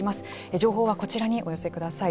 情報はこちらにお寄せください。